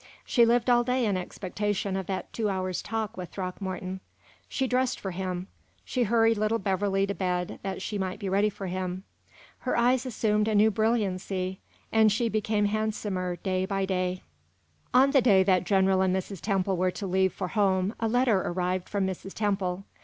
She lived all day in expectation of that two hours' talk with Throckmorton. She dressed for him; she hurried little Beverley to bed that she might be ready for him. Her eyes assumed a new brilliancy, and she became handsomer day by day. On the day that the general and Mrs. Temple were to leave for home a letter arrived from Mrs. Temple.